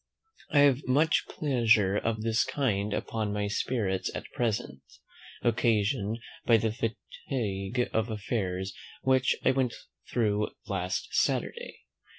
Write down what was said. I have much pleasure of this kind upon my spirits at present, occasioned by the fatigue of affairs which I went through last Saturday.